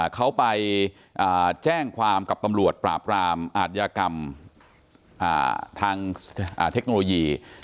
เขาไปแจ้งความกับตำรวจปราบรามอาทยากรรมทางเทคโนโลยี